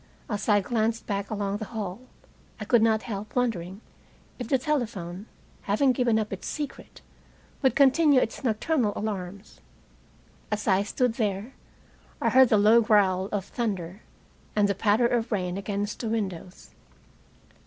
As I glanced back along the hall, I could not help wondering if the telephone, having given up its secret, would continue its nocturnal alarms. As I stood there, I heard the low growl of thunder and the patter of rain against the windows.